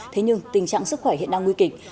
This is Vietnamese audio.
thế nhưng tình trạng sức khỏe hiện đang nguy kịch